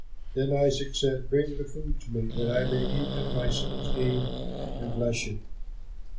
Then Isaac said, "Bring the food to me, that I may eat of my son's game and bless you."